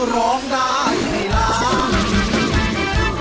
ร้องได้ให้ล้าน